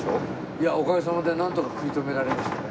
いやおかげさまでなんとか食い止められましたね。